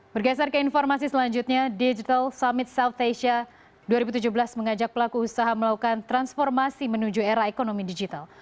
bergeser ke informasi selanjutnya digital summit self asia dua ribu tujuh belas mengajak pelaku usaha melakukan transformasi menuju era ekonomi digital